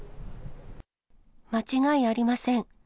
間違いありません。